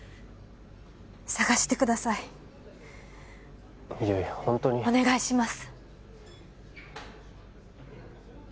捜してください悠依ホントにお願いします